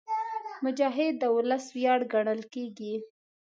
مجاهد د ولس ویاړ ګڼل کېږي.